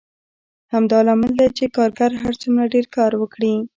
همدا لامل دی چې کارګر هر څومره ډېر کار وکړي